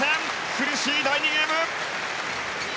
苦しい第２ゲーム。